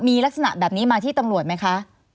มีลักษณะแบบนี้มาที่ตำรวจไหมคะ